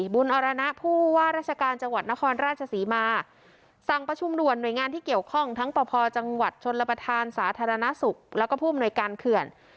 อรณะผู้ว่าราชการจังหวัดนครราชศรีมาสั่งประชุมด่วนหน่วยงานที่เกี่ยวข้องทั้งปภจังหวัดชนระประธานสาธารณสุขแล้วก็ผู้อำนวยการเขื่อน